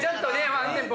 ワンテンポ